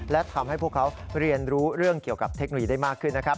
และทำให้พวกเขาเรียนรู้เรื่องเกี่ยวกับเทคโนโลยีได้มากขึ้นนะครับ